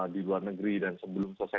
di luar negeri dan sebelum selesai